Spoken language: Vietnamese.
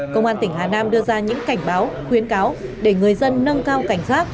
công an tỉnh hà nam đưa ra những cảnh báo khuyến cáo để người dân nâng cao cảnh giác